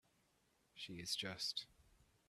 She is just.